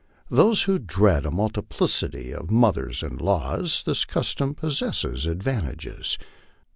To those who dread a multiplicity of mo thers in law this custom possesses advantages.